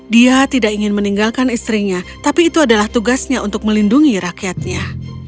dia tidak ingin meninggalkan istrinya tapi itu adalah tugasnya untuk melindungi rakyatnya